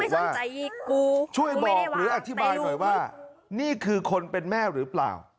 กูช่วยบอกหรืออธิบายหน่อยว่านี่คือคนเป็นแม่หรือเปล่า